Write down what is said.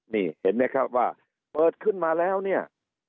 นี่เห็นไหมครับว่าเปิดขึ้นมาแล้วเนี่ย